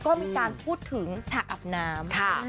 ก็มีการพูดถึงฉากอาบน้ำ